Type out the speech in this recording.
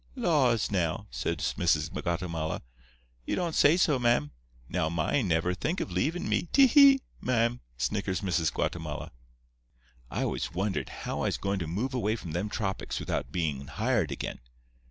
'Laws, now!' says Missis Guatemala, 'you don't say so, ma'am! Now, mine never think of leavin' me—te he! ma'am,' snickers Missis Guatemala. "I was wonderin' how I was goin' to move away from them tropics without bein' hired again.